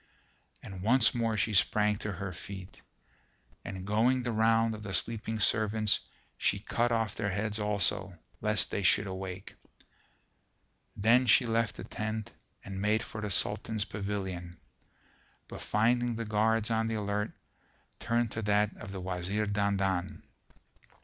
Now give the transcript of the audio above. And once more she sprang to her feet; and, going the round of the sleeping servants, she cut off their heads also, lest they should awake. Then she left the tent and made for the Sultan's pavilion, but finding the guards on the alert, turned to that of the Wazir Dandan.